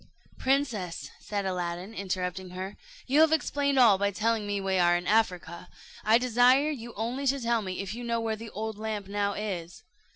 "Princess," said Aladdin, interrupting her, "you have explained all by telling me we are in Africa I desire you only to tell me if you know where the old lamp now is."